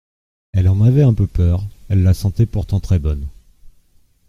Elle en avait un peu peur, elle la sentait pourtant très bonne.